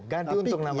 ganti untung namanya